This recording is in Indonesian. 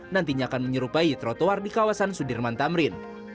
nantinya akan menyerupai trotoar di kawasan sudirman tamrin